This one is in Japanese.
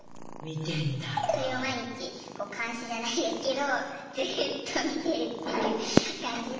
それを毎日監視じゃないですけどずっと見てるっていう感じで。